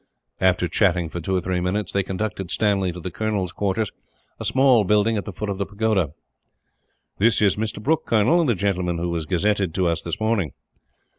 After chatting for two or three minutes, they conducted Stanley to the colonel's quarters, a small building at the foot of the pagoda. "This is Mr. Brooke, Colonel, the gentleman who was gazetted to us, this morning."